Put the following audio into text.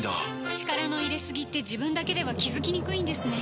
力の入れすぎって自分だけでは気付きにくいんですね